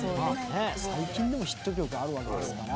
最近でもヒット曲あるわけですから。